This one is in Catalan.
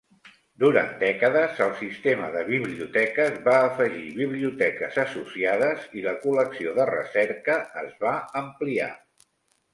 Durant dècades, el sistema de biblioteques va afegir biblioteques associades i la col·lecció de recerca es va ampliar.